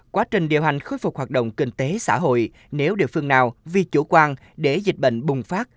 quá trình điều hành khôi phục hoạt động kinh tế xã hội nếu địa phương nào vì chủ quan để dịch bệnh bùng phát